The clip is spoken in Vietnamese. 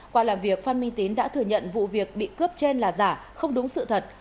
qua làm việc phan minh tín đã thừa nhận vụ việc bị cướp trên là giả không đúng sự thật